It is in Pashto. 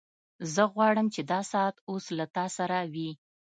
زه غواړم چې دا ساعت اوس له تا سره وي